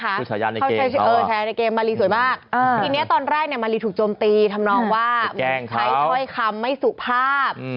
เขาใช้ชายานในเกมมาลีสวยมากทีนี้ตอนแรกมาลีถูกโจมตีทำนองว่าใช้คอยคำไม่สุขภาพ